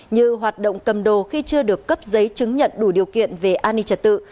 như hoạt động cầm đồ khi chưa được cấp giấy chứng nhận đủ điều kiện về an ninh trật tự